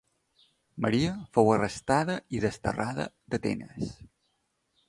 Maria fou arrestada i desterrada d'Atenes.